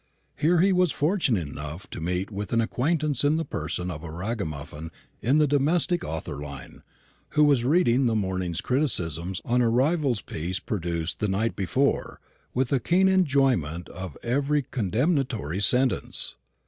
Here he was fortunate enough to meet with an acquaintance in the person of a Ragamuffin in the dramatic author line, who was reading the morning's criticisms on a rival's piece produced the night before, with a keen enjoyment of every condemnatory sentence.